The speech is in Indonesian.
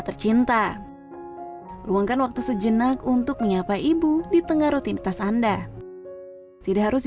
tercinta luangkan waktu sejenak untuk menyapa ibu di tengah rutinitas anda tidak harus di